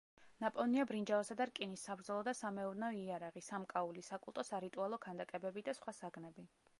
ნაპოვნია ბრინჯაოსა და რკინის საბრძოლო და სამეურნეო იარაღი, სამკაული, საკულტო-სარიტუალო ქანდაკებები და სხვა საგნები.